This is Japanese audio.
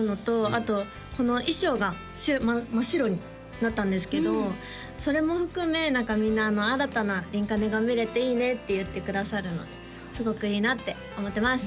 あとこの衣装が真っ白になったんですけどそれも含め何かみんな新たなリンカネが見れていいねって言ってくださるのですごくいいなって思ってます